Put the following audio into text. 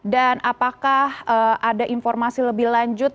dan apakah ada informasi lebih lanjut